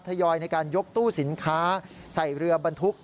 ยอยในการยกตู้สินค้าใส่เรือบรรทุก